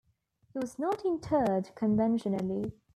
He was not interred conventionally.